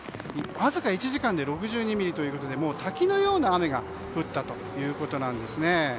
朝から１時間に６２ミリということで滝のような雨が降ったということです。